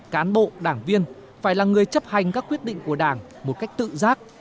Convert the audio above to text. cán bộ đảng viên phải là người chấp hành các quyết định của đảng một cách tự giác